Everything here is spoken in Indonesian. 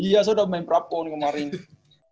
iya saya udah main prapon kemarin